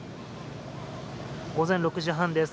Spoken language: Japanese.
午前６時半です。